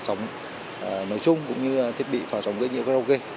để sử dụng những thiết bị phá sóng nói chung cũng như thiết bị phá sóng gây nhiễu karaoke